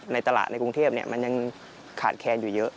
ในตลาดในกรุงเทพมันยังขาดแคลนอยู่เยอะ